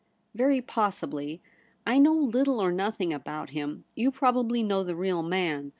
'Very possibly; I know little or nothing about him. You probably know the real man.